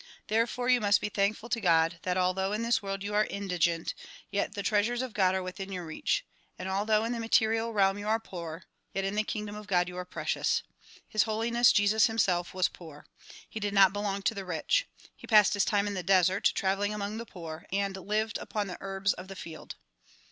Therefore you must be thankful to God that although in this world you are indigent, yet the treasures of God are within your reach; and although in the material realm you are poor, yet in the kingdom of God you are precious. His Holiness Jesus himself was poor. He did not belong to the rich. He passed his time in the desert traveling among the poor, and lived upon the herbs of the field.